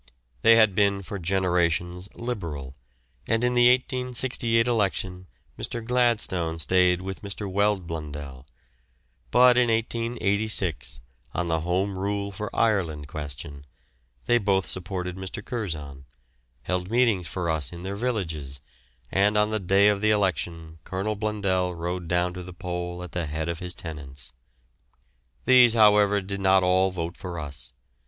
They had been for generations Liberal, and in the 1868 election Mr. Gladstone stayed with Mr. Weld Blundell; but in 1886, on the Home Rule for Ireland question, they both supported Mr. Curzon, held meetings for us in their villages, and on the day of the election Colonel Blundell rode down to the poll at the head of his tenants. These, however, did not all vote for us.